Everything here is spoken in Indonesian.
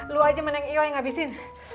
lu aja yang habisin